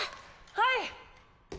はい。